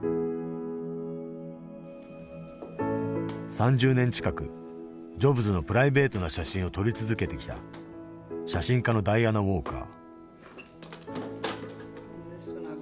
３０年近くジョブズのプライベートな写真を撮り続けてきた写真家のダイアナ・ウォーカー。